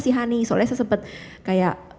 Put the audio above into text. sih hani soalnya saya sempat kayak